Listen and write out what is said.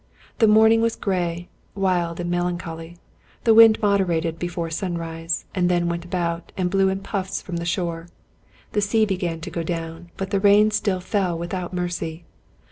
The morning was gray, wild, and melancholy ; the wind moderated before sunrise, and then went about, and blew in puffs from the shore; the sea began to go down, but the rain still fell without mercy.